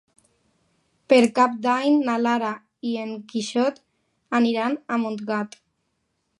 Per Cap d'Any na Lara i en Quixot aniran a Montgat.